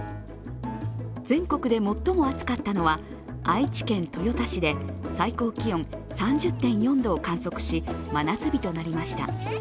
全国で最も暑かったのは愛知県豊田市で最高気温３０．４度を観測し真夏日となりました。